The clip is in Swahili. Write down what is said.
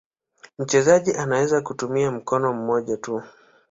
Mchezaji anaweza kutumia mkono mmoja tu.